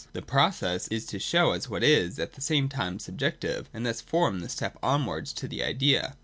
Its process is to show itself as what is at the same time subjective, and thus form the step onwards to the idea.